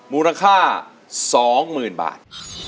มูลค่า๒หมื่นบาท